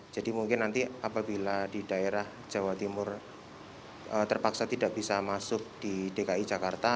jadi mungkin nanti apabila di daerah jawa timur terpaksa tidak bisa masuk di dki jakarta